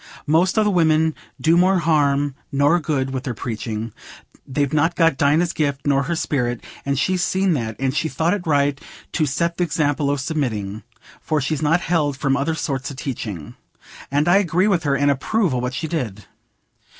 Most o' the women do more harm nor good with their preaching—they've not got Dinah's gift nor her sperrit—and she's seen that, and she thought it right to set th' example o' submitting, for she's not held from other sorts o' teaching. And I agree with her, and approve o' what she did."